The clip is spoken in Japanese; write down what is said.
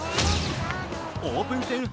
オープン戦